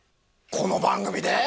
この番組で？